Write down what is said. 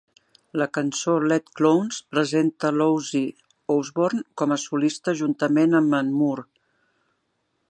La cançó "Led Clones" presenta l'Ozzy Osbourne com a solista juntament amb en Moore.